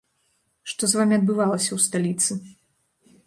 Што з вамі адбывалася ў сталіцы?